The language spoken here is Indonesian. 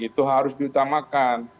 itu harus diutamakan